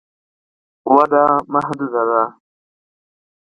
وده محدوده ده.